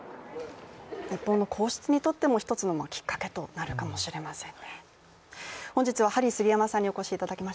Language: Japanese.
日本の皇室にとっても一つのきっかけとなるかもしれません。